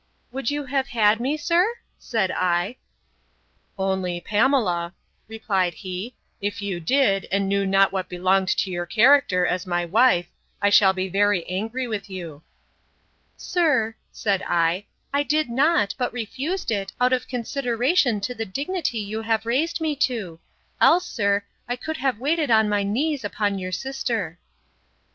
Would you have had me, sir? said I.—Only, Pamela, replied he, if you did, and knew not what belonged to your character, as my wife, I shall be very angry with you. Sir, said I, I did not, but refused it, out of consideration to the dignity you have raised me to; else, sir, I could have waited on my knees upon your sister.